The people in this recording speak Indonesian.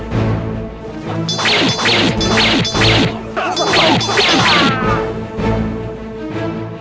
tiga puluh juta orang